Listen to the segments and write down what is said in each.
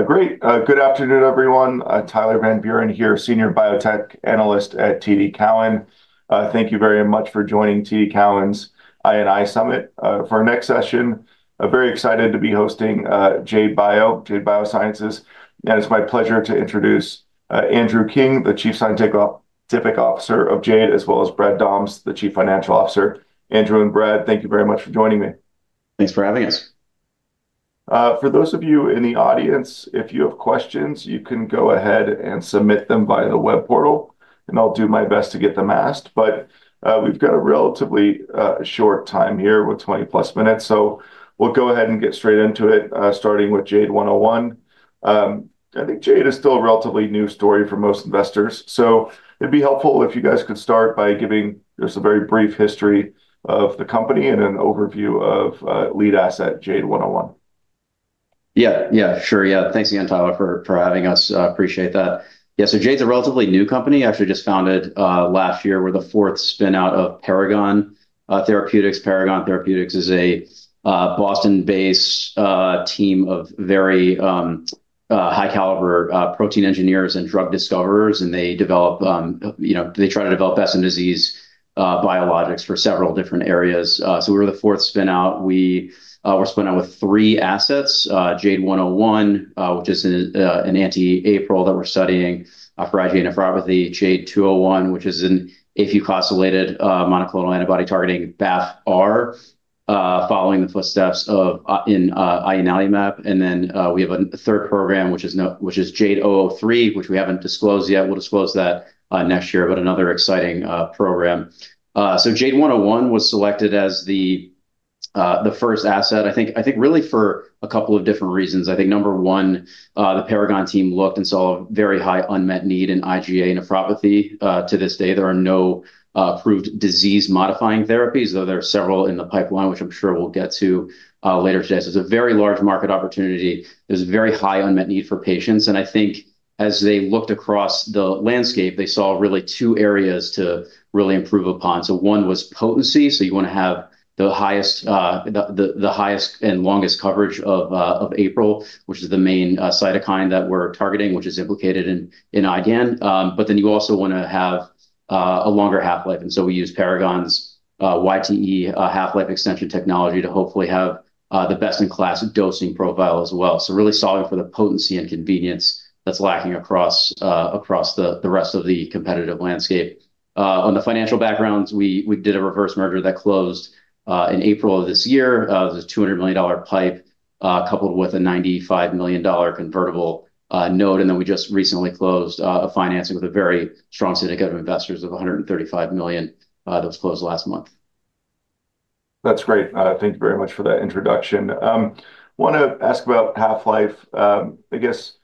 Great. Good afternoon, everyone. Tyler Van Buren here, Senior Biotech Analyst at TD Cowen. Thank you very much for joining TD Cowen's I&I Summit for our next session. Very excited to be hosting Jade Biosciences. It's my pleasure to introduce Andrew King, the Chief Scientific Officer of Jade, as well as Brad Dahms, the Chief Financial Officer. Andrew and Brad, thank you very much for joining me. Thanks for having us. For those of you in the audience, if you have questions, you can go ahead and submit them via the web portal, and I'll do my best to get them asked. We've got a relatively short time here, 20-plus minutes. We'll go ahead and get straight into it, starting with JADE101. I think Jade is still a relatively new story for most investors. It would be helpful if you guys could start by giving just a very brief history of the company and an overview of lead asset JADE101. Yeah, yeah, sure. Yeah, thanks again, Tyler, for having us. Appreciate that. Yeah, so Jade's a relatively new company. Actually just founded last year. We're the fourth spin-out of Paragon Therapeutics. Paragon Therapeutics is a Boston-based team of very high-caliber protein engineers and drug discoverers. They try to develop best-in-disease biologics for several different areas. We're the fourth spin-out. We're spun out with three assets: JADE101, which is an anti-APRIL that we're studying for IgA nephropathy; Jade 201, which is an APRIL-class-related monoclonal antibody targeting BAFF-R, following the footsteps of inanalumab. We have a third program, which is JADE-003, which we haven't disclosed yet. We'll disclose that next year, but another exciting program. JADE101 was selected as the first asset, I think, really for a couple of different reasons. I think, number one, the Paragon team looked and saw a very high unmet need in IgA nephropathy. To this day, there are no approved disease-modifying therapies, though there are several in the pipeline, which I'm sure we'll get to later today. It is a very large market opportunity. There is a very high unmet need for patients. I think as they looked across the landscape, they saw really two areas to really improve upon. One was potency. You want to have the highest and longest coverage of APRIL, which is the main cytokine that we're targeting, which is implicated in IgAN. You also want to have a longer half-life. We use Paragon's YTE half-life extension technology to hopefully have the best-in-class dosing profile as well. Really solving for the potency and convenience that's lacking across the rest of the competitive landscape. On the financial backgrounds, we did a reverse merger that closed in April of this year. It was a $200 million pipe coupled with a $95 million convertible note. We just recently closed a financing with a very strong syndicate of investors of $135 million. Those closed last month. That's great. Thank you very much for that introduction. I want to ask about half-life. I guess,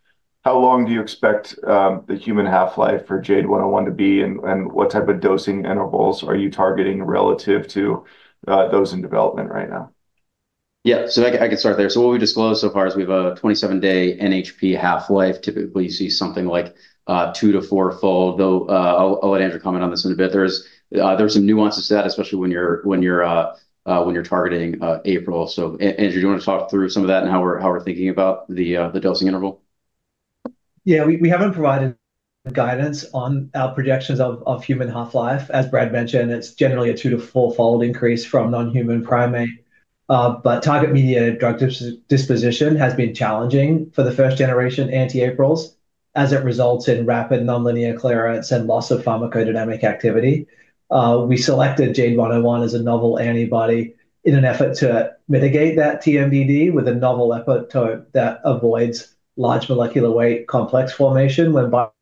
how long do you expect the human half-life for JADE101 to be, and what type of dosing intervals are you targeting relative to those in development right now? Yeah, so I can start there. What we disclosed so far is we have a 27-day NHP half-life. Typically, you see something like two- to four-fold. Though I'll let Andrew comment on this in a bit. There are some nuances to that, especially when you're targeting APRIL. Andrew, do you want to talk through some of that and how we're thinking about the dosing interval? Yeah, we haven't provided guidance on our projections of human half-life. As Brad mentioned, it's generally a two- to four-fold increase from non-human primate. Target-mediated drug disposition has been challenging for the first-generation anti-APRILs as it results in rapid nonlinear clearance and loss of pharmacodynamic activity. We selected JADE101 as a novel antibody in an effort to mitigate that TMDD with a novel epitope that avoids large molecular weight complex formation when binding APRIL.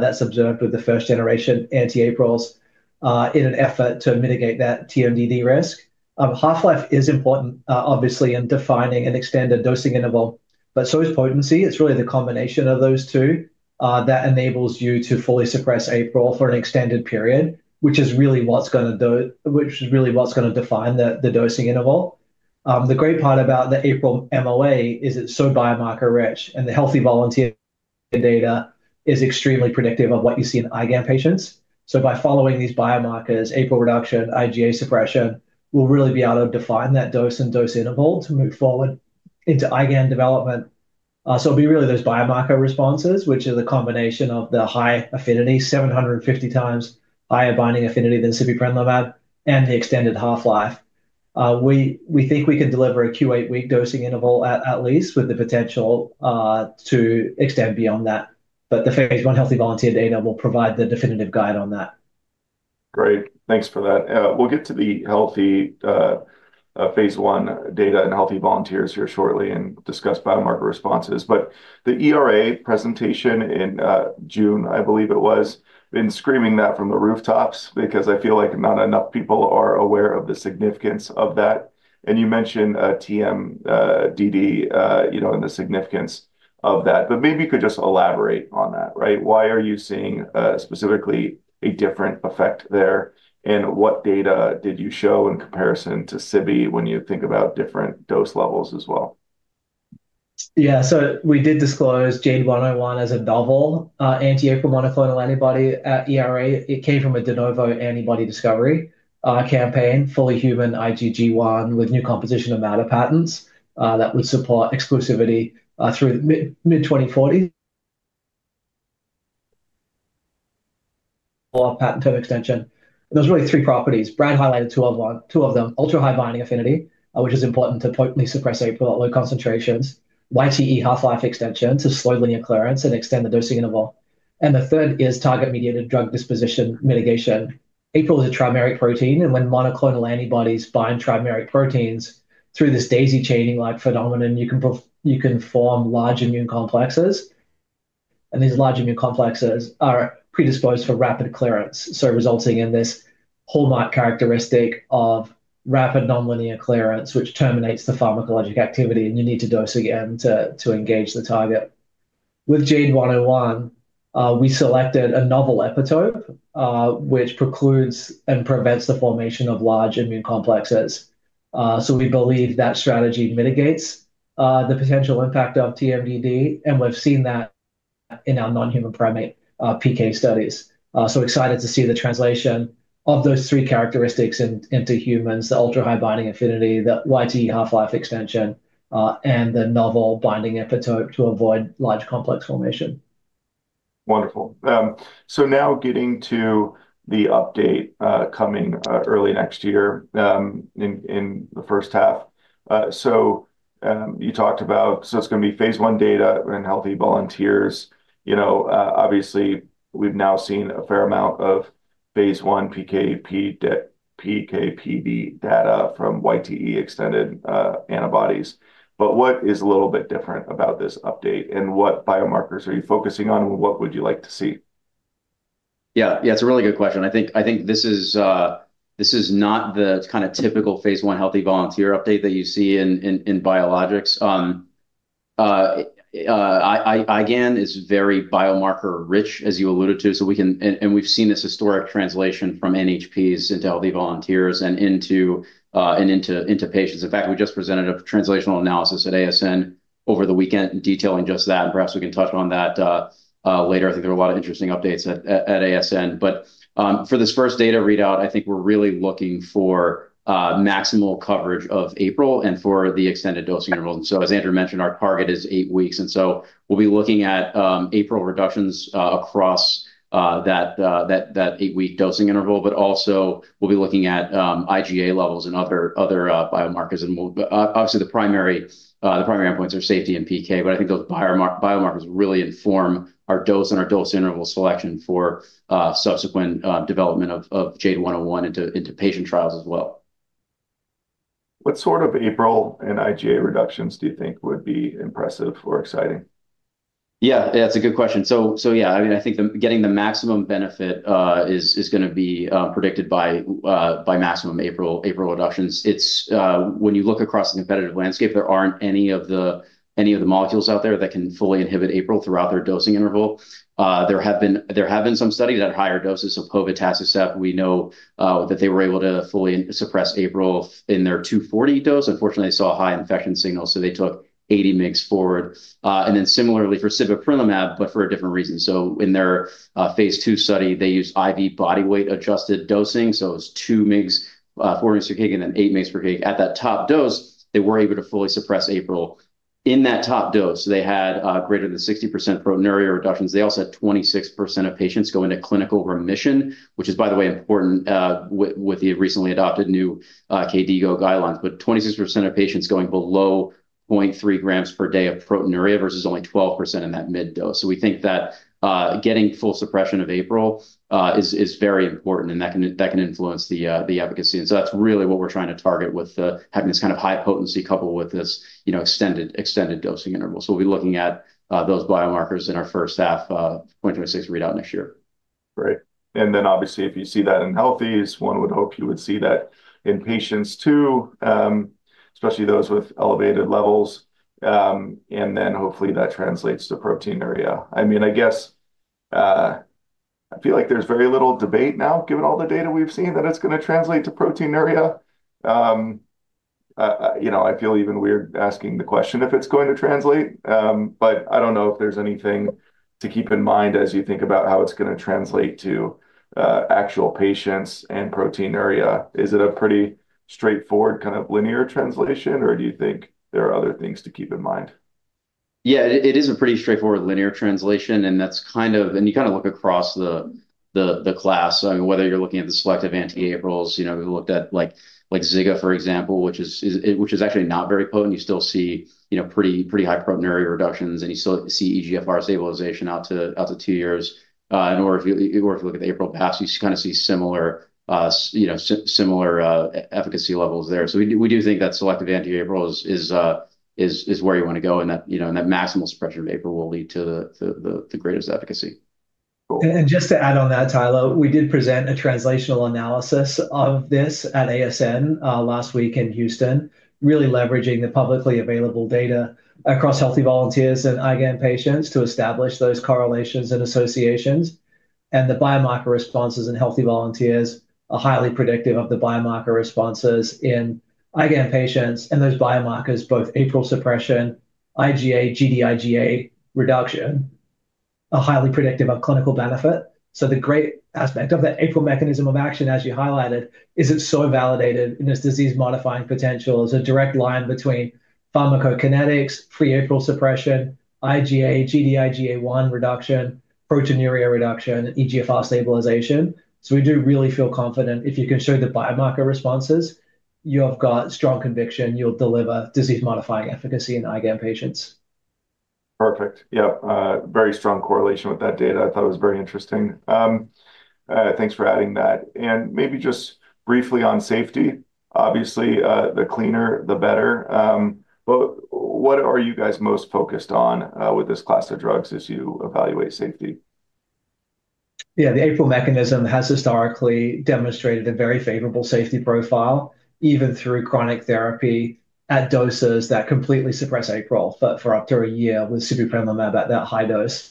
That's observed with the first-generation anti-APRILs in an effort to mitigate that TMDD risk. Half-life is important, obviously, in defining an extended dosing interval. So is potency. It's really the combination of those two that enables you to fully suppress APRIL for an extended period, which is really what's going to define the dosing interval. The great part about the APRIL MOA is it's so biomarker-rich, and the healthy volunteer data is extremely predictive of what you see in IgAN patients. By following these biomarkers, APRIL reduction, IgA suppression, we'll really be able to define that dose and dose interval to move forward into IgAN development. It'll be really those biomarker responses, which are the combination of the high affinity, 750 times higher binding affinity than sibeprenlimab, and the extended half-life. We think we can deliver a Q8-week dosing interval at least with the potential to extend beyond that. The phase I healthy volunteer data will provide the definitive guide on that. Great. Thanks for that. We'll get to the healthy phase I data and healthy volunteers here shortly and discuss biomarker responses. The ERA presentation in June, I believe it was, been screaming that from the rooftops because I feel like not enough people are aware of the significance of that. You mentioned TMDD and the significance of that. Maybe you could just elaborate on that, right? Why are you seeing specifically a different effect there? What data did you show in comparison to CBI when you think about different dose levels as well? Yeah, so we did disclose JADE101 as a novel anti-APRIL monoclonal antibody at ERA. It came from a de novo antibody discovery campaign, fully human IgG1 with new composition of matter patents that would support exclusivity through mid-2040s or patent term extension. There's really three properties. Brad highlighted two of them. Ultra-high binding affinity, which is important to potently suppress APRIL at low concentrations. YTE half-life extension to slow linear clearance and extend the dosing interval. The third is target-mediated drug disposition mitigation. APRIL is a trimeric protein, and when monoclonal antibodies bind trimeric proteins through this daisy-chaining-like phenomenon, you can form large immune complexes. These large immune complexes are predisposed for rapid clearance, resulting in this hallmark characteristic of rapid nonlinear clearance, which terminates the pharmacologic activity, and you need to dose again to engage the target. With JADE101, we selected a novel epitope, which precludes and prevents the formation of large immune complexes. We believe that strategy mitigates the potential impact of TMDD, and we've seen that in our non-human primate PK studies. Excited to see the translation of those three characteristics into humans, the ultra-high binding affinity, the YTE half-life extension, and the novel binding epitope to avoid large complex formation. Wonderful. Now getting to the update coming early next year in the first half. You talked about, so it's going to be phase I data in healthy volunteers. Obviously, we've now seen a fair amount of phase I PKPD data from YTE extended antibodies. What is a little bit different about this update? What biomarkers are you focusing on? What would you like to see? Yeah, yeah, it's a really good question. I think this is not the kind of typical phase I healthy volunteer update that you see in biologics. IgAN is very biomarker-rich, as you alluded to. We've seen this historic translation from NHPs into healthy volunteers and into patients. In fact, we just presented a translational analysis at ASN over the weekend detailing just that. Perhaps we can touch on that later. I think there are a lot of interesting updates at ASN. For this first data readout, I think we're really looking for maximal coverage of APRIL and for the extended dosing interval. As Andrew mentioned, our target is eight weeks. We'll be looking at APRIL reductions across that eight-week dosing interval. We'll also be looking at IgA levels and other biomarkers. Obviously, the primary endpoints are safety and PK. I think those biomarkers really inform our dose and our dose interval selection for subsequent development of JADE101 into patient trials as well. What sort of APRIL and IgA reductions do you think would be impressive or exciting? Yeah, yeah, that's a good question. Yeah, I mean, I think getting the maximum benefit is going to be predicted by maximum APRIL reductions. When you look across the competitive landscape, there aren't any of the molecules out there that can fully inhibit APRIL throughout their dosing interval. There have been some studies at higher doses of povetacicept. We know that they were able to fully suppress APRIL in their 240 dose. Unfortunately, they saw a high infection signal, so they took 80 mg forward. Similarly for sibeprenlimab, but for a different reason. In their phase II study, they used IV body weight-adjusted dosing. It was 2 mg for 1 mg per kg and then 8 mg per kg. At that top dose, they were able to fully suppress APRIL. In that top dose, they had greater than 60% proteinuria reductions. They also had 26% of patients go into clinical remission, which is, by the way, important with the recently adopted new KDIGO guidelines. 26% of patients going below 0.3 grams per day of proteinuria versus only 12% in that mid-dose. We think that getting full suppression of APRIL is very important, and that can influence the efficacy. That is really what we are trying to target with having this kind of high potency coupled with this extended dosing interval. We will be looking at those biomarkers in our first half 2026 readout next year. Great. Obviously, if you see that in healthies, one would hope you would see that in patients too, especially those with elevated levels. Hopefully that translates to proteinuria. I mean, I guess I feel like there's very little debate now, given all the data we've seen, that it's going to translate to proteinuria. I feel even weird asking the question if it's going to translate. I don't know if there's anything to keep in mind as you think about how it's going to translate to actual patients and proteinuria. Is it a pretty straightforward kind of linear translation, or do you think there are other things to keep in mind? Yeah, it is a pretty straightforward linear translation. You kind of look across the class. Whether you're looking at the selective anti-APRILs, we looked at Zigakibart, for example, which is actually not very potent. You still see pretty high proteinuria reductions, and you still see eGFR stabilization out to two years. If you look at the APRIL paths, you kind of see similar efficacy levels there. We do think that selective anti-APRIL is where you want to go, and that maximal suppression of APRIL will lead to the greatest efficacy. Just to add on that, Tyler, we did present a translational analysis of this at ASN last week in Houston, really leveraging the publicly available data across healthy volunteers and IgA nephropathy patients to establish those correlations and associations. The biomarker responses in healthy volunteers are highly predictive of the biomarker responses in IgA nephropathy patients. Those biomarkers, both APRIL suppression, IgA, Gd-IgA1 reduction, are highly predictive of clinical benefit. The great aspect of the APRIL mechanism of action, as you highlighted, is it's so validated in its disease-modifying potential. It's a direct line between pharmacokinetics, pre-APRIL suppression, IgA, Gd-IgA1 reduction, proteinuria reduction, eGFR stabilization. We do really feel confident if you can show the biomarker responses, you've got strong conviction you'll deliver disease-modifying efficacy in IgA nephropathy patients. Perfect. Yeah, very strong correlation with that data. I thought it was very interesting. Thanks for adding that. Maybe just briefly on safety. Obviously, the cleaner, the better. What are you guys most focused on with this class of drugs as you evaluate safety? Yeah, the APRIL mechanism has historically demonstrated a very favorable safety profile, even through chronic therapy at doses that completely suppress APRIL for up to a year with sibeprenlimab at that high dose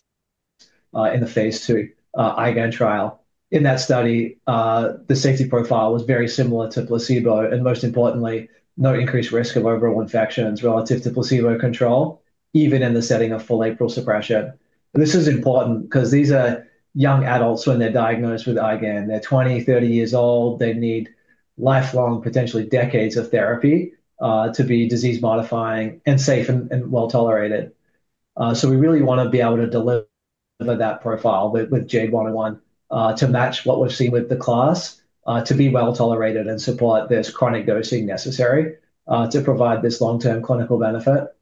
in the phase II IgAN trial. In that study, the safety profile was very similar to placebo. Most importantly, no increased risk of overall infections relative to placebo control, even in the setting of full APRIL suppression. This is important because these are young adults when they're diagnosed with IgAN. They're 20, 30 years old. They need lifelong, potentially decades of therapy to be disease-modifying and safe and well tolerated. We really want to be able to deliver that profile with JADE101 to match what we've seen with the class, to be well tolerated and support this chronic dosing necessary to provide this long-term clinical benefit.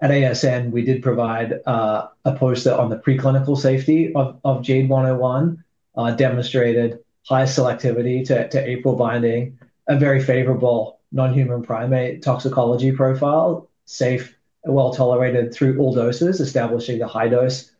At ASN, we did provide a poster on the preclinical safety of JADE101, demonstrated high selectivity to APRIL binding, a very favorable non-human primate toxicology profile, safe, well tolerated through all doses, establishing the high dose,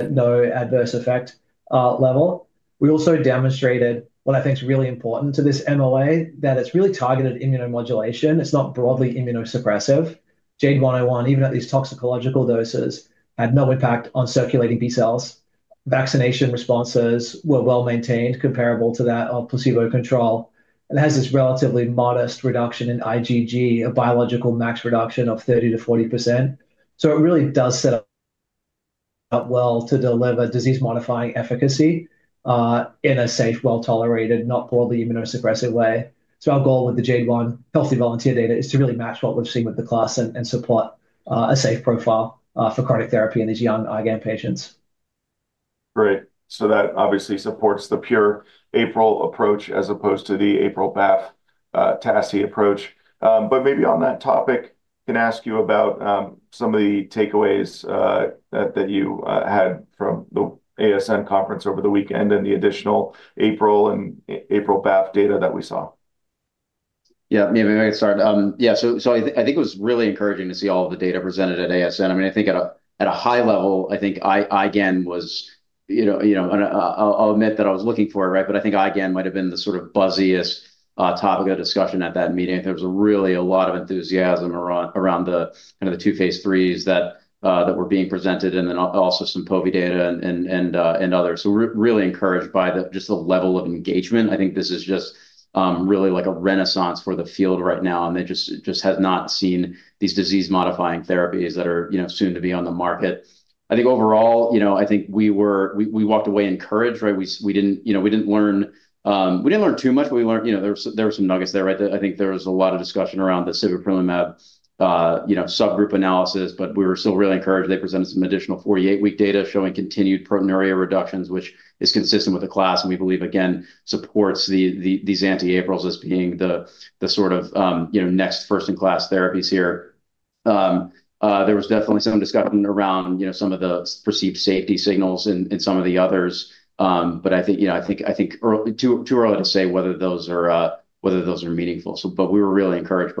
no adverse effect level. We also demonstrated what I think is really important to this MOA, that it's really targeted immunomodulation. It's not broadly immunosuppressive. JADE101, even at these toxicological doses, had no impact on circulating B cells. Vaccination responses were well maintained, comparable to that of placebo control. It has this relatively modest reduction in IgG, a biological max reduction of 30%-40%. It really does set up well to deliver disease-modifying efficacy in a safe, well tolerated, not broadly immunosuppressive way. Our goal with the JADE101 healthy volunteer data is to really match what we've seen with the class and support a safe profile for chronic therapy in these young IgAN patients. Great. That obviously supports the pure APRIL approach as opposed to the APRIL BAFF [dual] approach. Maybe on that topic, can I ask you about some of the takeaways that you had from the ASN conference over the weekend and the additional APRIL and APRIL BAFF data that we saw? Yeah, maybe I can start. Yeah, so I think it was really encouraging to see all of the data presented at ASN. I mean, I think at a high level, I think IgAN was, I'll admit that I was looking for it, right? But I think IgAN might have been the sort of buzziest topic of discussion at that meeting. There was really a lot of enthusiasm around the kind of the two phase IIIs that were being presented and then also some POV data and others. We are really encouraged by just the level of engagement. I think this is just really like a renaissance for the field right now. It just has not seen these disease-modifying therapies that are soon to be on the market. I think overall, I think we walked away encouraged, right? We did not learn too much, but there were some nuggets there, right? I think there was a lot of discussion around the sibeprenlimab subgroup analysis, but we were still really encouraged. They presented some additional 48-week data showing continued proteinuria reductions, which is consistent with the class, and we believe, again, supports these anti-APRILs as being the sort of next first-in-class therapies here. There was definitely some discussion around some of the perceived safety signals and some of the others. I think it is too early to say whether those are meaningful. We were really encouraged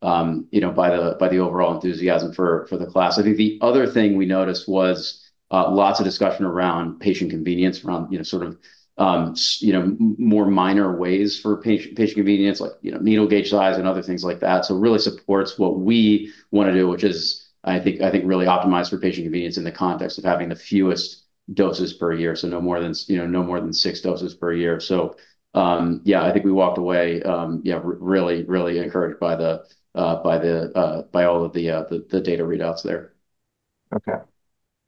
by the overall enthusiasm for the class. I think the other thing we noticed was lots of discussion around patient convenience, around sort of more minor ways for patient convenience, like needle gauge size and other things like that. It really supports what we want to do, which is, I think, really optimized for patient convenience in the context of having the fewest doses per year, so no more than six doses per year. Yeah, I think we walked away really, really encouraged by all of the data readouts there. Okay.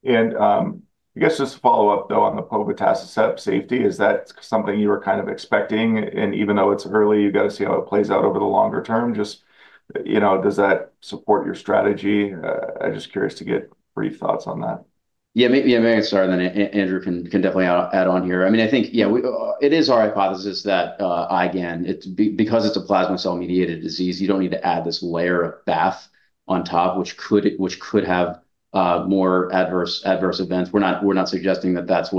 I guess just to follow up, though, on the povataciceb safety, is that something you were kind of expecting? Even though it's early, you've got to see how it plays out over the longer term, just does that support your strategy? I'm just curious to get brief thoughts on that. Yeah, maybe I can start, and then Andrew can definitely add on here. I mean, I think, yeah, it is our hypothesis that IgAN, because it's a plasma cell-mediated disease, you don't need to add this layer of BAFF on top, which could have more adverse events. We're not suggesting that that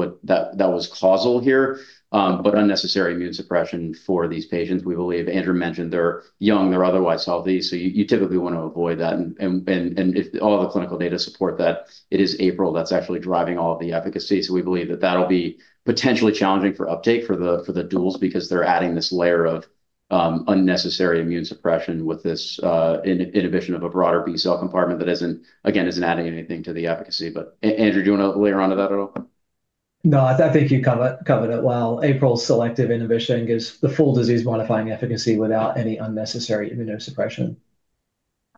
was causal here, but unnecessary immune suppression for these patients. We believe, Andrew mentioned, they're young, they're otherwise healthy. You typically want to avoid that. If all the clinical data support that it is APRIL that's actually driving all of the efficacy. We believe that that'll be potentially challenging for uptake for the duals because they're adding this layer of unnecessary immune suppression with this inhibition of a broader B cell compartment that, again, isn't adding anything to the efficacy. But Andrew, do you want to layer onto that at all? No, I think you covered it well. APRIL's selective inhibition gives the full disease-modifying efficacy without any unnecessary immunosuppression.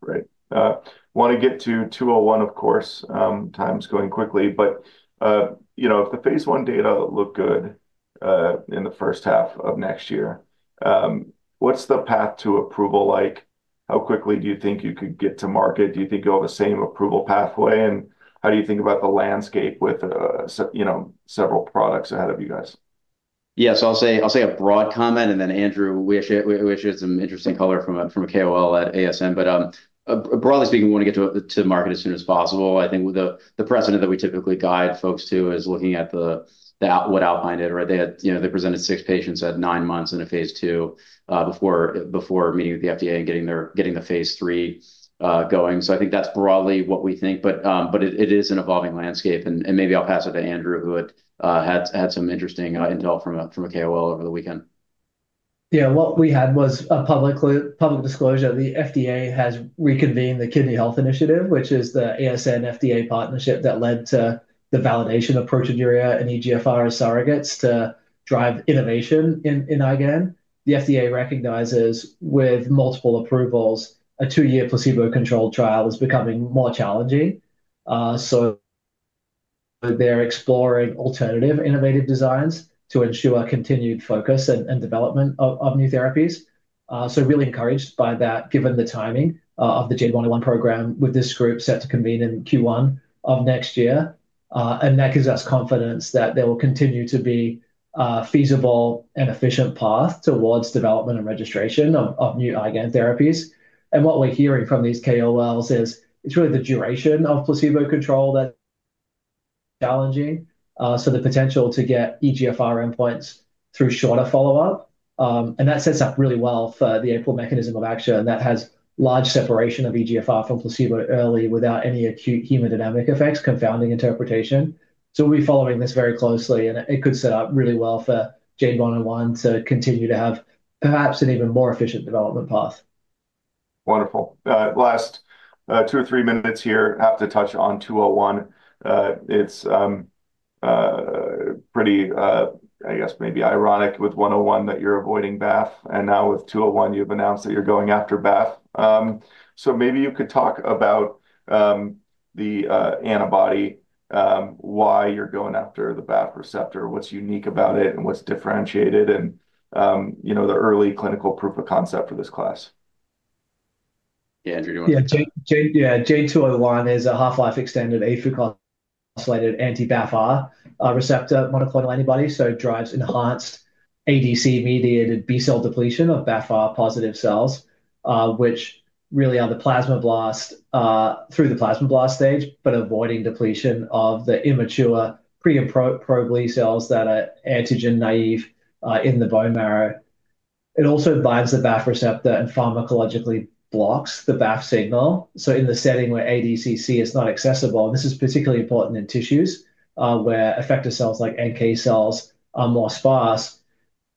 Great. I want to get to 201, of course. Time's going quickly. If the phase I data look good in the first half of next year, what's the path to approval like? How quickly do you think you could get to market? Do you think you'll have the same approval pathway? How do you think about the landscape with several products ahead of you guys? Yeah, so I'll say a broad comment, and then Andrew, we wish you some interesting color from a KOL at ASN. Broadly speaking, we want to get to market as soon as possible. I think the precedent that we typically guide folks to is looking at what Alpine did, right? They presented six patients at nine months in a phase II before meeting with the FDA and getting the phase III going. I think that's broadly what we think. It is an evolving landscape. Maybe I'll pass it to Andrew, who had some interesting intel from a KOL over the weekend. Yeah, what we had was a public disclosure. The FDA has reconvened the Kidney Health Initiative, which is the ASN-FDA partnership that led to the validation of proteinuria and eGFR surrogates to drive innovation in IgAN. The FDA recognizes, with multiple approvals, a two-year placebo-controlled trial is becoming more challenging. They are exploring alternative innovative designs to ensure continued focus and development of new therapies. Really encouraged by that, given the timing of the JADE101 program with this group set to convene in Q1 of next year. That gives us confidence that there will continue to be a feasible and efficient path towards development and registration of new IgAN therapies. What we are hearing from these KOLs is it is really the duration of placebo control that is challenging. The potential to get eGFR endpoints through shorter follow-up. That sets up really well for the APRIL mechanism of action. That has large separation of eGFR from placebo early without any acute hemodynamic effects, confounding interpretation. We will be following this very closely. It could set up really well for JADE101 to continue to have perhaps an even more efficient development path. Wonderful. Last two or three minutes here. I have to touch on 201. It's pretty, I guess, maybe ironic with 101 that you're avoiding BAFF. And now with 201, you've announced that you're going after BAFF. So maybe you could talk about the antibody, why you're going after the BAFF receptor, what's unique about it, and what's differentiated, and the early clinical proof of concept for this class. Yeah, Andrew, do you want to? Yeah, Jade 201 is a half-life extended YTE-modified anti-BAFF-R receptor monoclonal antibody. It drives enhanced ADCC-mediated B cell depletion of BAFF-R-positive cells, which really are the plasmablast through the plasmablast stage, but avoiding depletion of the immature pre- and pro-B cells that are antigen naive in the bone marrow. It also binds the BAFF receptor and pharmacologically blocks the BAFF signal. In the setting where ADCC is not accessible, and this is particularly important in tissues where effector cells like NK cells are more sparse,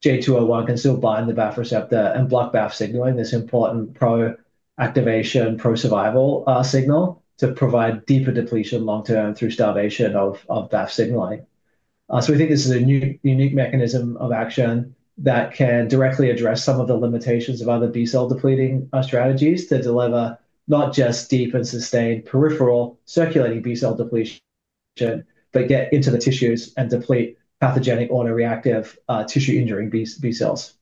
Jade 201 can still bind the BAFF receptor and block BAFF signaling. This important pro-activation, pro-survival signal provides deeper depletion long-term through starvation of BAFF signaling. We think this is a unique mechanism of action that can directly address some of the limitations of other B cell depleting strategies to deliver not just deep and sustained peripheral circulating B cell depletion, but get into the tissues and deplete pathogenic autoreactive tissue-injuring B cells.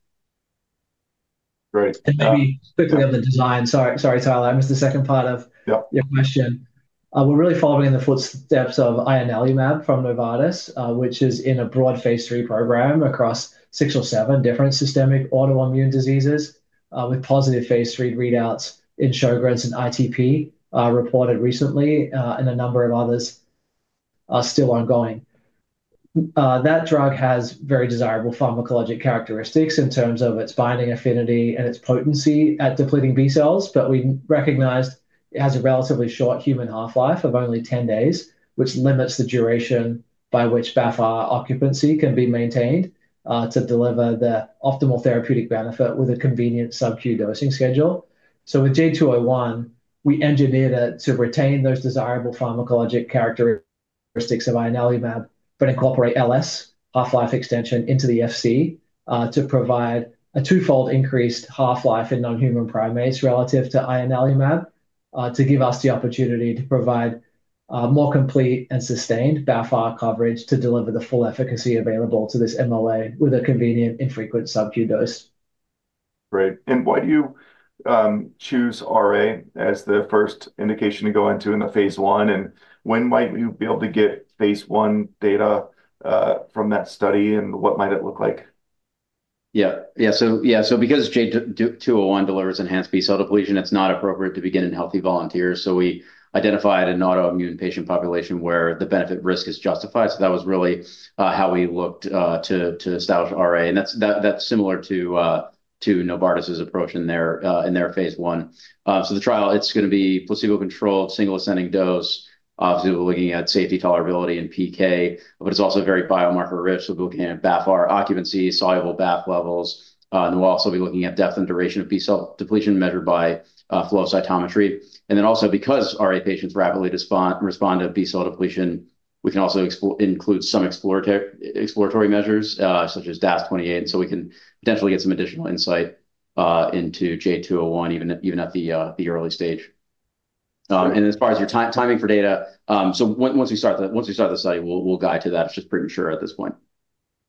Great. Maybe quickly on the design, sorry, Tyler, I missed the second part of your question. We're really following in the footsteps of inanalumab from Novartis, which is in a broad phase III program across six or seven different systemic autoimmune diseases with positive phase III readouts in Sjögren's and ITP reported recently, and a number of others are still ongoing. That drug has very desirable pharmacologic characteristics in terms of its binding affinity and its potency at depleting B cells. We recognized it has a relatively short human half-life of only 10 days, which limits the duration by which BAFF-R occupancy can be maintained to deliver the optimal therapeutic benefit with a convenient sub-queue dosing schedule. With Jade 201, we engineered it to retain those desirable pharmacologic characteristics of inanalumab, but incorporate LS, half-life extension into the FC to provide a twofold increased half-life in non-human primates relative to inanalumab to give us the opportunity to provide more complete and sustained BAFF-R coverage to deliver the full efficacy available to this MOA with a convenient infrequent sub-queue dose. Great. Why do you choose RA as the first indication to go into in the phase I? When might we be able to get phase I data from that study, and what might it look like? Yeah. Yeah. So because Jade 201 delivers enhanced B cell depletion, it's not appropriate to begin in healthy volunteers. We identified an autoimmune patient population where the benefit-risk is justified. That was really how we looked to establish RA. That's similar to Novartis's approach in their phase I. The trial is going to be placebo-controlled, single ascending dose. Obviously, we're looking at safety, tolerability, and PK. It's also very biomarker-rich. We're looking at BAFF-R occupancy, soluble BAFF levels. We'll also be looking at depth and duration of B cell depletion measured by flow cytometry. Also, because RA patients rapidly respond to B cell depletion, we can include some exploratory measures such as DAS28. We can potentially get some additional insight into Jade 201 even at the early stage. As far as your timing for data, once we start the study, we'll guide to that. It's just pretty mature at this point.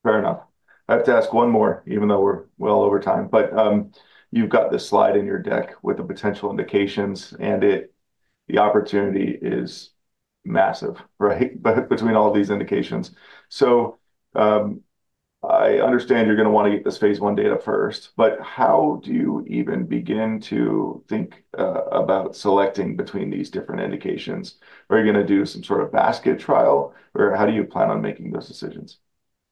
Fair enough. I have to ask one more, even though we're well over time. You've got this slide in your deck with the potential indications, and the opportunity is massive, right, between all these indications. I understand you're going to want to get this phase I data first. How do you even begin to think about selecting between these different indications? Are you going to do some sort of basket trial, or how do you plan on making those decisions?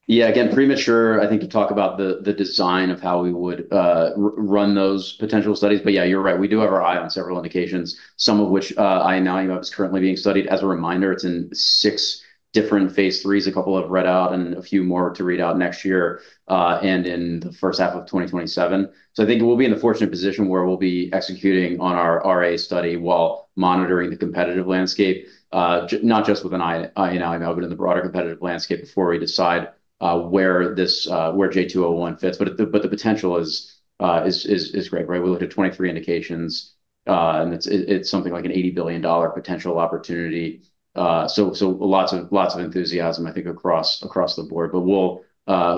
Yeah, again, premature, I think you talk about the design of how we would run those potential studies. Yeah, you're right. We do have our eye on several indications, some of which inanalumab is currently being studied. As a reminder, it's in six different phase IIIs, a couple of read-out and a few more to read out next year and in the first half of 2027. I think we'll be in the fortunate position where we'll be executing on our RA study while monitoring the competitive landscape, not just within inanalumab, but in the broader competitive landscape before we decide where Jade 201 fits. The potential is great, right? We looked at 23 indications, and it's something like an $80 billion potential opportunity. Lots of enthusiasm, I think, across the board. We'll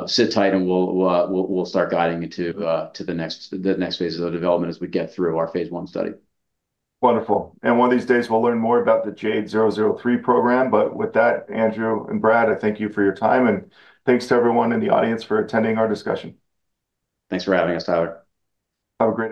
sit tight, and we'll start guiding into the next phase of the development as we get through our phase I study. Wonderful. One of these days, we'll learn more about the JADE-003 program. With that, Andrew and Brad, I thank you for your time. Thanks to everyone in the audience for attending our discussion. Thanks for having us, Tyler. Have a great--